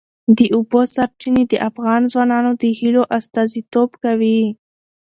د اوبو سرچینې د افغان ځوانانو د هیلو استازیتوب کوي.